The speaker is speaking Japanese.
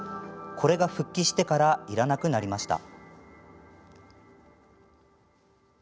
これが復帰してからいらなくなりました。